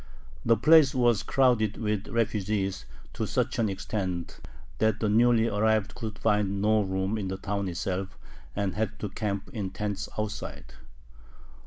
The place was crowded with refugees to such an extent that the newly arrived could find no room in the town itself, and had to camp in tents outside.